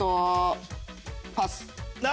パス。